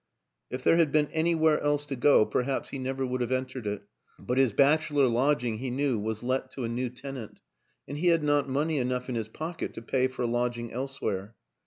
If there had been anywhere else to go perhaps he never would have entered it; but his bachelor lodging, he knew, was let to a new tenant, and he had not money enough in his pocket to pay for a lodging elsewhere.